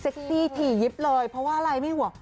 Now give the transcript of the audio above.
ซี่ถี่ยิบเลยเพราะว่าอะไรไม่ห่วง